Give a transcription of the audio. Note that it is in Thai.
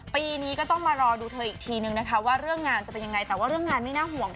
ปีนี้ก็ต้องมารอดูเธออีกทีนึงนะคะว่าเรื่องงานจะเป็นยังไงแต่ว่าเรื่องงานไม่น่าห่วง